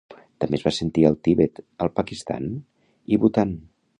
També es va sentir al Tibet, el Pakistan, i Bhutan.